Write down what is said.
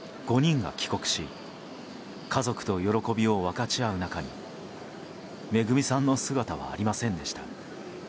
拉致被害者５人が帰国し家族と喜びを分かち合う中にめぐみさんの姿はありませんでした。